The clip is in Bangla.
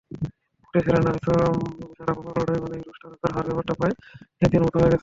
কোর্টে সেরেনা-শারাপোভার লড়াই মানেই রুশ তারকার হার—ব্যাপারটা প্রায় নিয়তির মতো হয়ে গেছে।